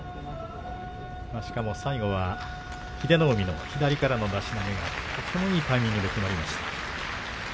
しかも最後は英乃海が左からの出し投げとてもいいタイミングできまりました。